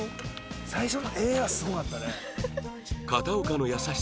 「最初の“えっ！？”はすごかったね」